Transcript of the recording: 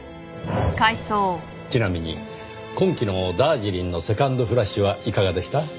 ちなみに今季のダージリンのセカンドフラッシュはいかがでした？